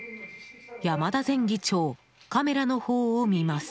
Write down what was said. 山田前議長、カメラの方を見ます。